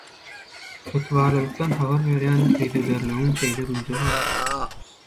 Ygtybarlylykdan habar berýän yzygiderliligiň şeýle güýji bar.